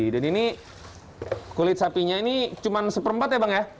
dan ini kulit sapinya ini cuma seperempat ya bang ya